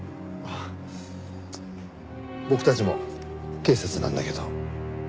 僕たちも警察なんだけど。